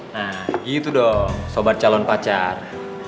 nah gitu dong sobat calon pacar